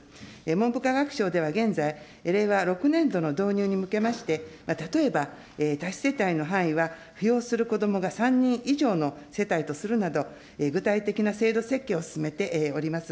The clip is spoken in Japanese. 文部科学省では現在、令和６年度の導入に向けまして、例えば多子世帯の範囲は、扶養する子どもが３人以上の世帯とするなど、具体的な制度設計を進めております。